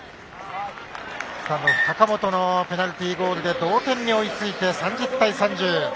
スタンドオフ高本のペナルティーキックで同点に追いついて、３０対３０。